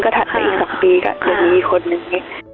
ก็ถัดไปอีกสามปีกับเดี๋ยวมีอีกคนนึง